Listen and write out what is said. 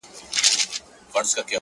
خپل پوستين به يې د غلو په لاس كي لوېږي -